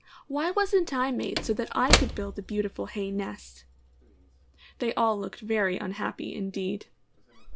Why wasn^t I made so that I could build a beautiful hay nest?" They all looked very unhappy indeed.